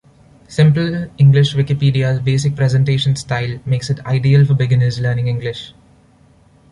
Simple English Wikipedia's basic presentation style makes it ideal for beginners learning English.